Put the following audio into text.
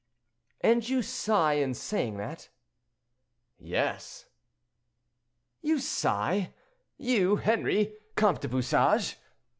"And you sigh in saying that?" "Yes." "You sigh?—you, Henri, comte de Bouchage?